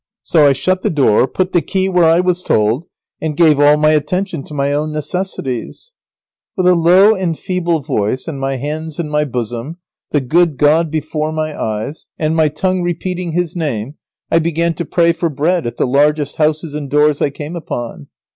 So I shut the door, put the key where I was told, and gave all my attention to my own necessities. [Sidenote: Lazaro's successful begging expedition.] With a low and feeble voice, and my hands in my bosom, the good God before my eyes, and my tongue repeating His Name, I began to pray for bread at the largest houses and doors I came upon.